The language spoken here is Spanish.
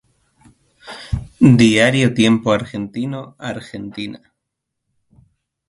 Diario Tiempo Argentino, Argentina.